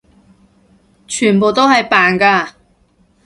全部都係扮㗎！